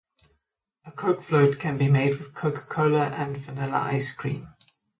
A coke float can be made with Coca-Cola and vanilla ice-cream.